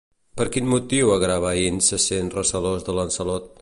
Per quin motiu Agravain se sent recelós de Lancelot?